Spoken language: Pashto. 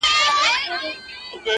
د کلي حوري په ټول کلي کي لمبې جوړي کړې’